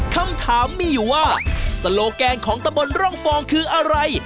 คำถามมีอยู่ว่าสโลแกนของตะบนร่องฟองคืออะไร